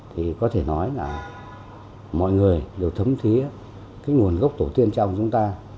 thì có thể nói là mọi người đều thấm thía cái nguồn gốc tổ tiên trong chúng ta